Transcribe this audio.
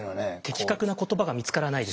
的確な言葉が見つからないですよね。